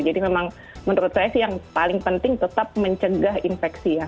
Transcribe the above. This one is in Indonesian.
jadi memang menurut saya sih yang paling penting tetap mencegah infeksi ya